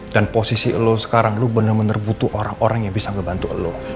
dan posisi lo sekarang lo bener bener butuh orang orang yang bisa ngebantu lo